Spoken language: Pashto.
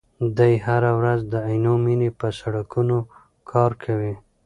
دی هره ورځ د عینومېنې په سړکونو کار کوي.